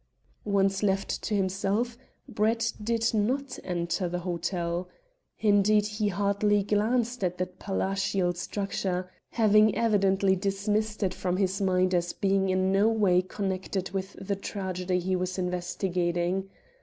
Once left to himself, Brett did not enter the hotel. Indeed, he hardly glanced at that palatial structure, having evidently dismissed it from his mind as being in no way connected with the tragedy he was investigating.